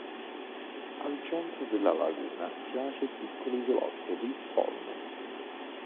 Al centro della laguna giace il piccolo isolotto di Hon.